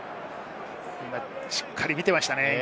しっかり見ていましたね。